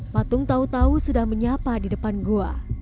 patung tau tau sudah menyapa di depan goa